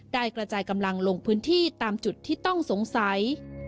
กระจายกำลังลงพื้นที่ตามจุดที่ต้องสงสัย